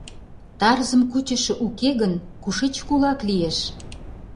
Тарзым кучышо уке гын, кушеч кулак лиеш?